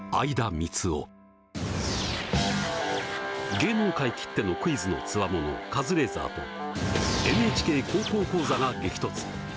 芸能界きってのクイズの強者カズレーザーと「ＮＨＫ高校講座」が激突！